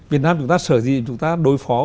việt nam chúng ta sở dĩ chúng ta đối phó